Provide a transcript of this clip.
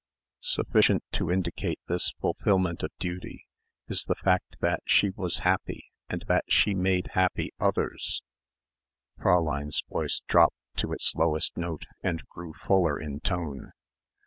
"Sufficient to indicate this fulfilment of duty is the fact that she was happy and that she made happy others " Fräulein's voice dropped to its lowest note and grew fuller in tone.